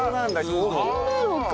そこなのか。